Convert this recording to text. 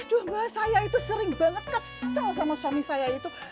aduh mas saya itu sering banget kesel sama suami saya itu